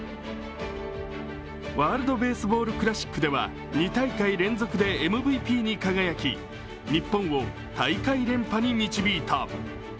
ワールド・ベースボール・クラシックでは、２大会連続でＭＶＰに輝き日本を大会連覇に導いた。